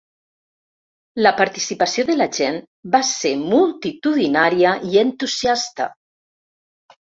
La participació de la gent va ser multitudinària i entusiasta.